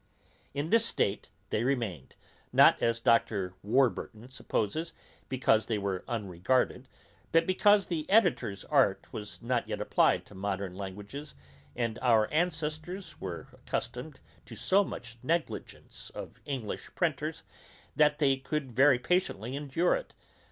In this state they remained, not as Dr. Warburton supposes, because they were unregarded, but because the editor's art was not yet applied to modern languages, and our ancestors were accustomed to so much negligence of English printers, that they could very patiently endure it.